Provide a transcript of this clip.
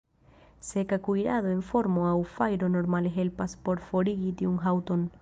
Seka kuirado en forno aŭ fajro normale helpas por forigi tiun haŭton.